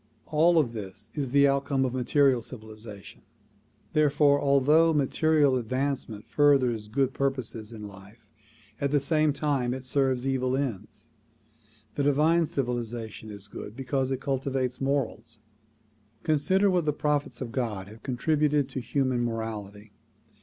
All this is the outcome of material civilization; therefore although material advancement furthers good purposes in life, at the same time it serves evil ends. The divine civilization is good because it cultivates morals. Consider what the prophets of God have contributed to human morality.